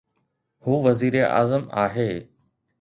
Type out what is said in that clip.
هو وزيراعظم آهي.